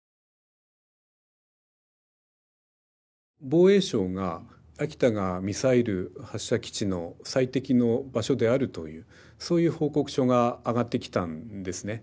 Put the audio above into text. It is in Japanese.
防衛省が秋田がミサイル発射基地の最適の場所であるというそういう報告書があがってきたんですね。